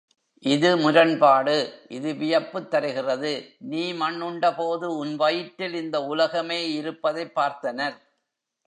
இது முரண்பாடு இது வியப்புத் தருகிறது. நீ மண்உண்டபோது உன் வயிற்றில் இந்த உலகமே இருப்பதைப் பார்த்தனர்.